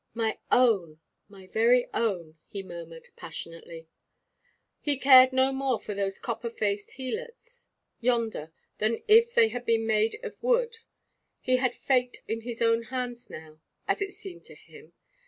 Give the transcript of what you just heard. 'My own, my very own,' he murmured, passionately. He cared no more for those copper faced Helots yonder than if they had been made of wood. He had fate in his own hands now, as it seemed to him.